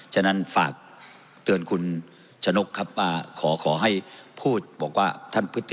ฉะนั้นฝากเตือนคุณฉนกครับขอให้พูดบอกว่า